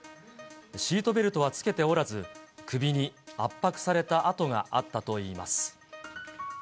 シートベルトは付けておらず、首に圧迫された痕があったといいます。